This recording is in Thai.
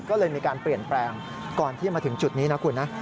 ก็เลยมีการเปลี่ยนแปลงก่อนที่มาถึงจุดนี้นะคุณนะ